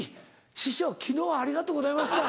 「師匠昨日はありがとうございました」。